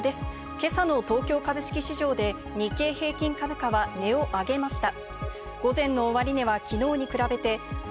今朝の東京株式市場で日経平均株価は値を上げました。